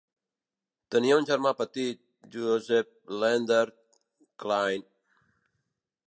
Tenia un germà petit, Joseph Leander Cline.